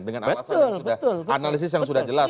dengan alasan yang sudah analisis yang sudah jelas